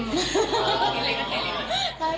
อ๋อพี่ริน